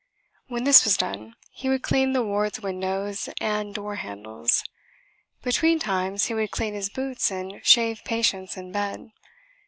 When this was done he would clean the ward's windows and door handles. Between times he would clean his boots and shave patients in bed.